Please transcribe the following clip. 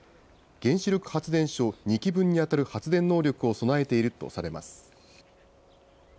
原子力発電所２基分に当たる発電能力を備えているとされています。